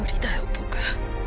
僕。